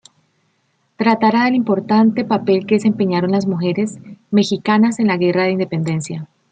Tratara del importante papel que desempeñaron las mujeres mexicanas en la guerra de independencia.